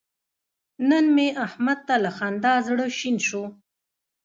نن مې احمد ته له خندا زړه شین شو.